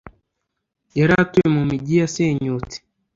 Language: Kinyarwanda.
yari atuye mu migi yasenyutse